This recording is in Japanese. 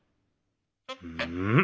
うん？